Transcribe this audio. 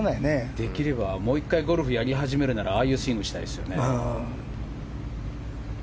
できればもう１回ゴルフをやり始めるならああいうスイングしたいよね。